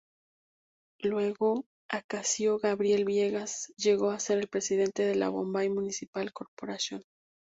Luego Acacio Gabriel Viegas llegó a ser el presidente de la Bombay Municipal Corporation.